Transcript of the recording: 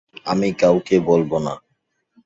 আমি কাউকে বলবো না।